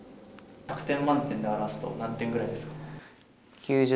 １００点満点で表すと、９０点ぐらいです。